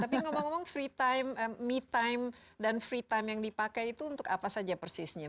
tapi ngomong ngomong free time dan free time yang dipakai itu untuk apa saja persisnya